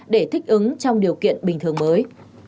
để thích ứng trong điều kiện bình thường mới